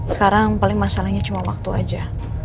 sekarang paling masalahnya cuma waktu aja